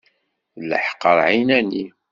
D leḥqer ɛinani.